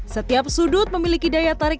setiap sudut memiliki daya tarik